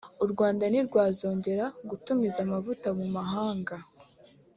u Rwanda ntirwazongera gutumiza amavuta mu mahanga